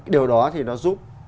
điều đó thì nó giúp